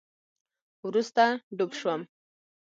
وروسته ډوب شوم